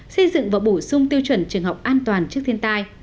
xây dựng và bổ sung tiêu chuẩn trường học an toàn trước thiên tai